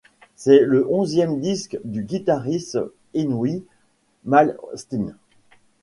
C'est le onzième disque du guitariste Yngwie Malmsteen.